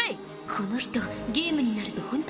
この人ゲームになるとホント熱いわ